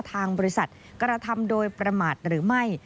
ทางบริษัทกระทำโดยประมาทหรือไม่